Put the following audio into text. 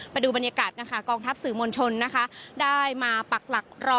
ไปดูบรรยากาศกองทัพสื่อมณชนได้มาปักหลักรอ